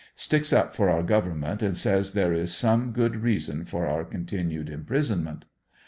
Sticks up for our government and says there is some good reason for our continued imprisonment.